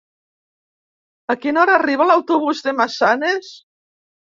A quina hora arriba l'autobús de Massanes?